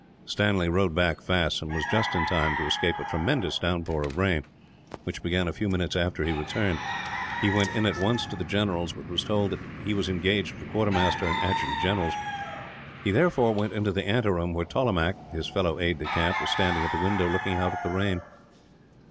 Stanley rode back fast, and was just in time to escape a tremendous downpour of rain, which began a few minutes after he returned. He went in at once to the general's, but was told that he was engaged with the quartermaster and adjutant generals. He therefore went into the anteroom where Tollemache, his fellow aide de camp, was standing at the window, looking out at the rain.